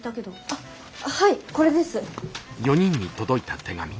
あっはいこれです。